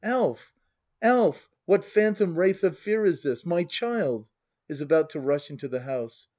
Alf! Alf! What phantom wraith Of fear is this! My child! [Is about to rush into the house.